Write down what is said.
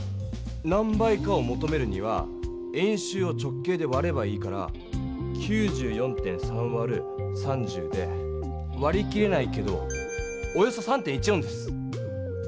何倍かをもとめるには円周を直径でわればいいから９４．３わる３０でわり切れないけどおよそ３．１４です。